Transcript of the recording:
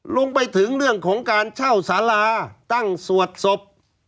ลงไปถึงเรื่องของการเช่าสาราตั้งสวดศพ